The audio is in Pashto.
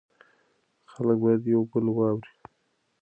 خلک باید یو بل واوري.